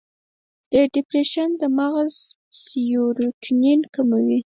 د ډیپریشن د مغز سیروټونین کموي.